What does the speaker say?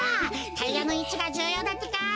タイヤのいちがじゅうようだってか！